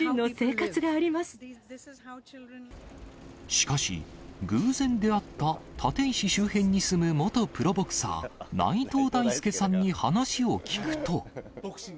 しかし、偶然出会った立石周辺に住む元プロボクサー、内藤大助さんに話を聞くと。